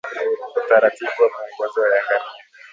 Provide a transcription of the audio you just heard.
Utaratibu wa mwongozo ya ngamia